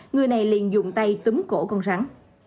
người này liền dùng tay tấm cổ con rắn